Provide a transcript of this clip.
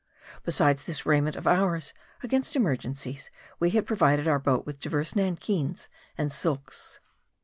Besides this raiment of ours, against emergencies we had provided our boat with divers nankeens and silks.